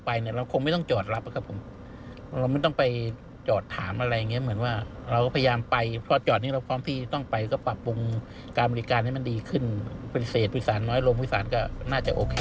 ผมจริงว่าเพื่อนแท็กซี่ทุกคน